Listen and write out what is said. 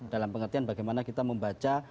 dalam pengertian bagaimana kita membaca